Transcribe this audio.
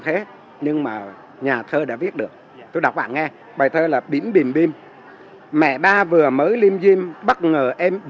em biển bìm bìm bất ngờ